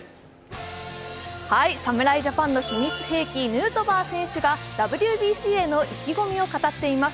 侍ジャパンの秘密兵器・ヌートバー選手がＷＢＣへの意気込みを語っています。